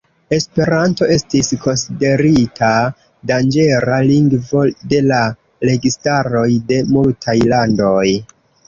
Esperanto estis konsiderita "danĝera lingvo" de la registaroj de multaj landoj.